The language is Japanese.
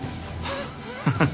ハハハ。